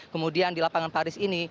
kemudian di lapangan paris ini